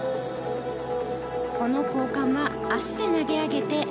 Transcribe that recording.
この交換は足で投げ上げて。